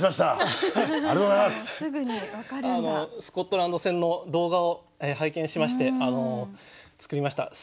スコットランド戦の動画を拝見しまして作りました。